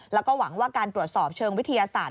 แล้วก็หวังว่าการตรวจสอบเชิงวิทยาศาสต